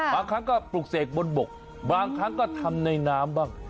บางครั้งก็ปลูกเสกบนบกบางครั้งก็ทำในน้ำบ้าง